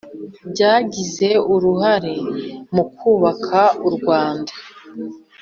byagize uruhare mu kubaka u Rwanda.